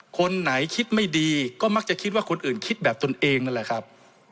คนไหนคิดไม่ดีก็มักจะคิดว่าคนอื่นคิดแบบตนเองนั่นแหละครับ